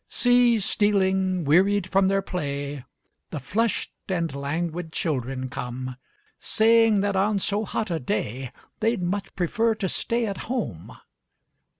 See stealing, wearied from their play, The flushed and languid children come, Saying that on so hot a day They'd much prefer to stay at home.